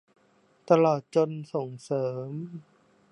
ตลอดจนส่งเสริม